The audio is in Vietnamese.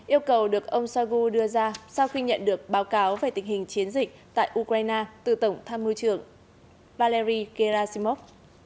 yêu cầu được ông shoigu đưa ra sau khi nhận được báo cáo về tình hình chiến dịch tại ukraine từ tổng tham mưu trưởng valery gerasimov